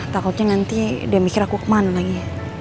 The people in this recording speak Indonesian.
takutnya nanti dia mikir aku kemana lagi